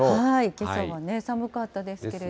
けさはね、寒かったですけれど。